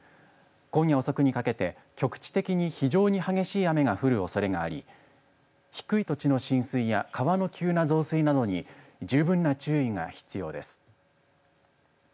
今夜遅くにかけて局地的に非常に激しい雨が降るおそれがあり低い土地の浸水や川の急な増水などに十分な注意が必要です。